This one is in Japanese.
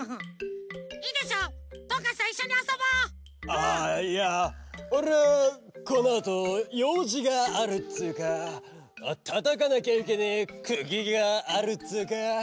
・ああいやおれはこのあとようじがあるっつうかたたかなきゃいけねえくぎがあるっつうか。